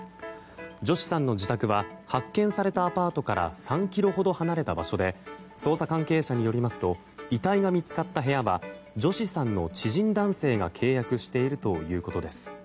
ジョシさんの自宅は発見されたアパートから３ｋｍほど離れた場所で捜査関係者によりますと遺体が発見された部屋はジョシさんの知人男性が契約しているということです。